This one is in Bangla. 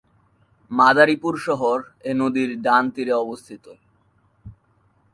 মাদারীপুর শহর এ নদীর ডান তীরে অবস্থিত।